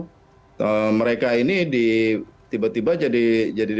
oke dan memang ada beberapa informasi setelah ada inisiatif seperti itu